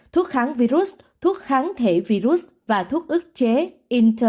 thuốc kháng virus thuốc kháng thể virus và thuốc ức chế inter